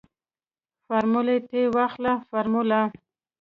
فارموله تې واخله فارموله.